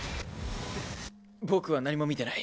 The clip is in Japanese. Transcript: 僕は何も見てない。